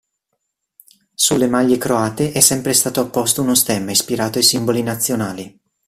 Sulle maglie croate è sempre stato apposto uno stemma ispirato ai simboli nazionali.